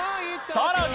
さらに！